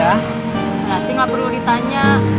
berarti gak perlu ditanya